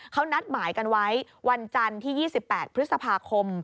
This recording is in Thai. เขานัดหมายกันไว้วันจันทร์ที่๒๘พฤษภาคม